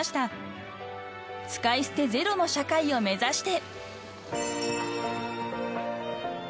［使い捨てゼロの社会を目指して］